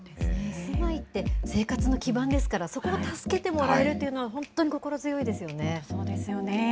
住まいって、生活の基盤ですから、そこを助けてもらえるといそうですよね。